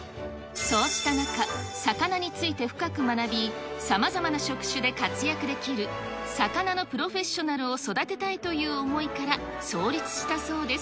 そうした中、魚について深く学び、さまざまな職種で活躍できる魚のプロフェッショナルを育てたいという思いから創立したそうです。